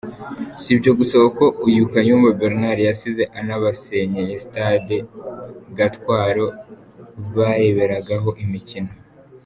Sibyo gusa kuko uyu Kayumba Bernard yasize anabasenyeye Stade Gatwaro bareberagaho imikino.